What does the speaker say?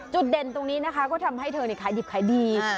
จุดเด่นตรงนี้นะคะก็ทำให้เธอขายดิบขายดี